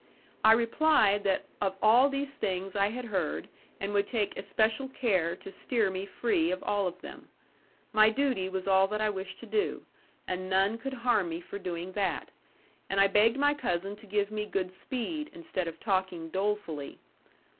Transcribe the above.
I replied that of all these things I had heard, and would take especial care to steer me free of all of them. My duty was all that I wished to do; and none could harm me for doing that. And I begged my cousin to give me good speed, instead of talking dolefully.